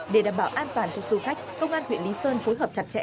để đảm bảo an toàn cho du khách công an huyện lý sơn phối hợp chặt chẽ